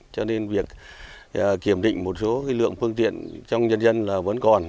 cho nên việc kiểm định một số lượng phương tiện trong dân dân vẫn còn